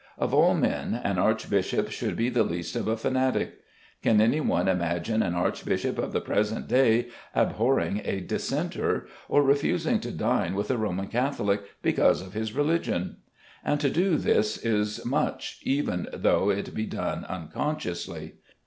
Of all men, an archbishop should be the least of a fanatic. Can any one imagine an archbishop of the present day abhorring a Dissenter, or refusing to dine with a Roman Catholic because of his religion? And to do this is much, even though it be done unconsciously.